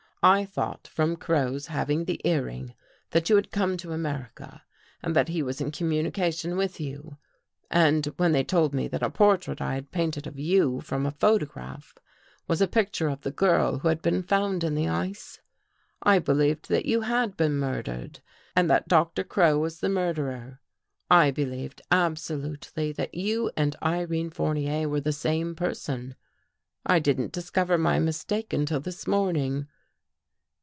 I thought from Crow's having the ear ring, that you had come to America and that he was in communication with you. And when they told me that a portrait I had painted of you from a photograph, was a picture of the girl who had been found in the ice, I believed that you had been mur dered and that Doctor Crow was the murderer. I believed, absolutely, that you and Irene Fournier were the same person. I didn't discover my mis take until this morning."